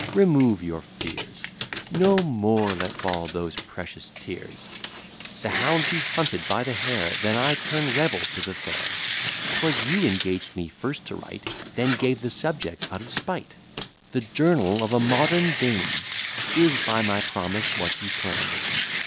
remove your fears, No more let fall those precious tears. Sooner shall, etc. [Here several verses are omitted.] The hound be hunted by the hare, Than I turn rebel to the fair. 'Twas you engaged me first to write, Then gave the subject out of spite: The journal of a modern dame, Is, by my promise, what you claim.